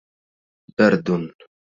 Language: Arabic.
برد